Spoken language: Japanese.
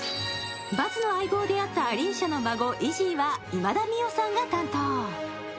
バズの相棒であったアリーシャの孫、イジーは今田美桜さんが担当。